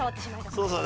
そうそう。